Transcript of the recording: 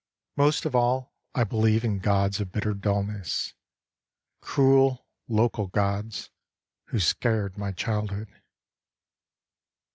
Most of all I believe In gods of bitter dullness, Cruel local gods Who scared my childhood.